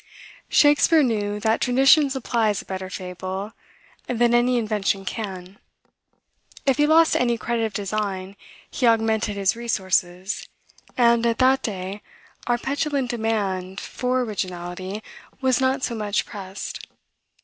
Shakspeare knew that tradition supplies a better fable that any invention can. If he lost any credit of design, he augmented his resources; and, at that day our petulant demand for originality was not so much pressed.